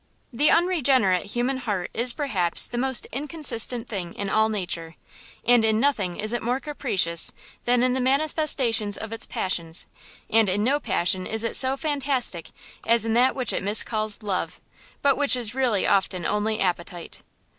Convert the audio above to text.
THE unregenerate human heart is, perhaps, the most inconsistent thing in all nature; and in nothing is it more capricious than in the manifestations of its passions; and in no passion is it so fantastic as in that which it miscalls love, but which is really often only appetite.